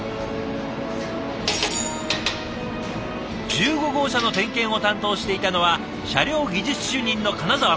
１５号車の点検を担当していたのは車両技術主任の金澤さん。